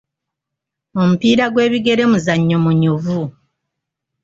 Omupiira gw'ebigere muzannyo munyuvu.